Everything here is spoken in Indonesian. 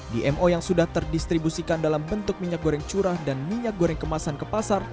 dmo yang sudah terdistribusikan dalam bentuk minyak goreng curah dan minyak goreng kemasan ke pasar